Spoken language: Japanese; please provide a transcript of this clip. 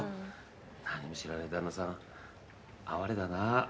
何も知らない旦那さん哀れだな。